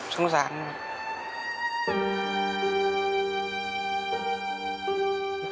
สงสารหนู